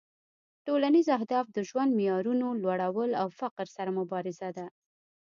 ټولنیز اهداف د ژوند معیارونو لوړول او فقر سره مبارزه ده